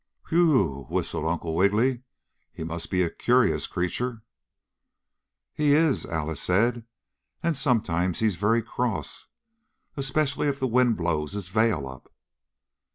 "Whew!" whistled Uncle Wiggily. "He must be a curious creature!" "He is," Alice said. "And sometimes he's very cross, especially if the wind blows his veil up."